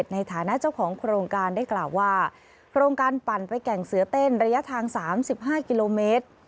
ในฐานะเจ้าของโครงการได้กล่าวว่าโครงการปั่นไปแก่งเสือเต้นระยะทาง๓๕กิโลเมตร